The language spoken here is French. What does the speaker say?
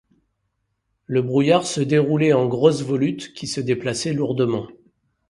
Le brouillard se déroulait en grosses volutes qui se déplaçaient lourdement